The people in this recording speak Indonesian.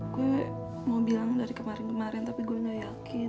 gue mau bilang dari kemarin kemarin tapi gue gak yakin